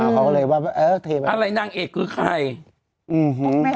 เขาก็เลยว่าเออเทไปอะไรนางเอกคือใครอืม